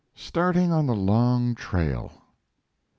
STARTING ON THE LONG TRAIL.